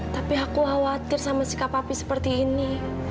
tapi aku khawatir sama sikap api seperti ini